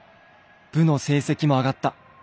部の成績も上がった。